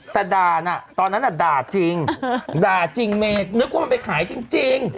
แต่ด่าน่ะตอนนั้นด่าจริงด่าจริงเมย์นึกว่ามันไปขายจริง